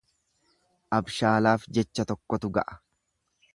Abshaalaaf jecha tokkotu ga'a.